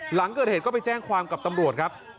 หลังเกิดเหตุก็ไปแจ้งความกับตำรวจครับ